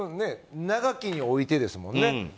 長きにおいてですもんね。